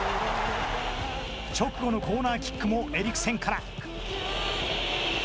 直後のコーナーキックもエリクセンから。